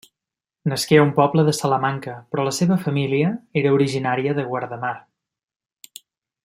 Nasqué a un poble de Salamanca, però la seva família era originària de Guardamar.